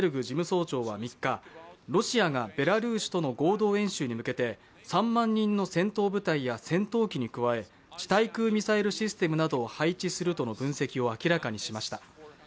事務総長は３日、ロシアがベラルーシとの合同演習に向けて３万人の戦闘部隊や戦闘機に加え地対空ミサイルシステムなどを配置するとの分析を明らかにしました。